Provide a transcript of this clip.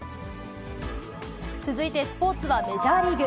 続いてスポーツはメジャーリーグ。